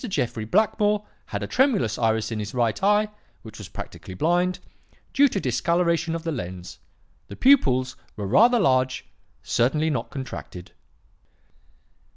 Jeffrey Blackmore had a tremulous iris in his right eye (which was practically blind), due to dislocation of the lens. The pupils were rather large; certainly not contracted.'